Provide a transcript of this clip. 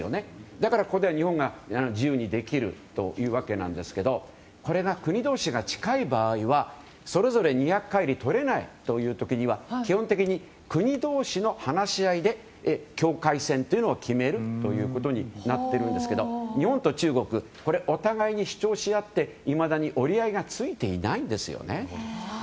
だから、ここでは日本が自由にできるというわけですがこれが国同士が近い場合はそれぞれ２００海里とれないという時には基本的に国同士の話し合いで境界線を決めることになっているんですけど日本と中国お互いに主張しあっていまだに折り合いがついていないんですよね。